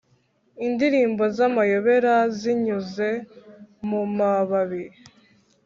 indirimbo z'amayobera zinyuze mu mababi;